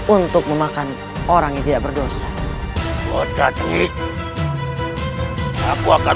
untuk yunda rara santang